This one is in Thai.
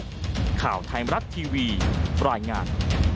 ข่าวไทยมรัฐทีวีรายงาน